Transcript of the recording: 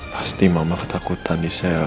pasti mama ketakutan di sel